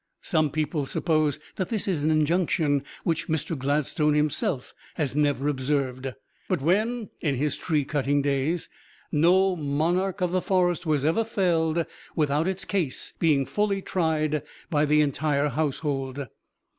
Some people suppose that this is an injunction which Mr. Gladstone himself has never observed. But when in his tree cutting days, no monarch of the forest was ever felled without its case being fully tried by the entire household.